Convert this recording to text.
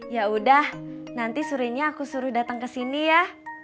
ya udah nanti sorenya aku suruh datang ke sini ya